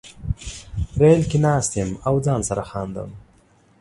ریل کې ناست یم او ځان سره خاندم